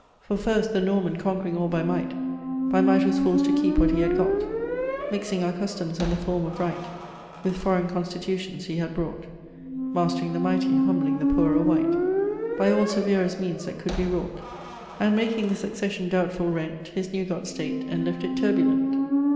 "For first, the Norman, conqu'ring all by might, By might was forc'd to keep what he had got; Mixing our customs and the form of right With foreign constitutions, he had brought; Mast'ring the mighty, humbling the poorer wight, By all severest means that could be wrought; And, making the succession doubtful, rent His new got state, and left it turbulent."